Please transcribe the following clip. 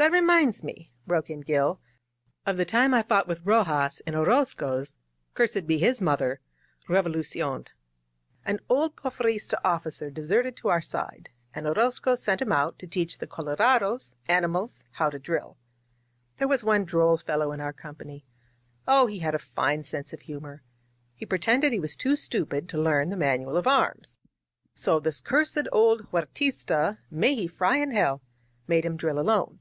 "That reminds me," broke in Gil, "of the time I fought with Rojas in Orozco's — ^(cursed be his motlier!) — ^Revolucion. An old Porfirista officer de serted to our side, and Orozco sent him out to teach the colorados (animals!) how to drill. There was one droll fellow in our company. Oh! he had a fine sense of humor. He pretended he was too stupid to learn the manual of arms. So this cursed old Huertista — (may he fry in hell!) — ^made him drill alone.